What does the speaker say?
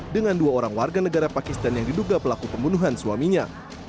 dengan dua orang warga negara pakistan yang diduga pelaku pembunuhan suaminya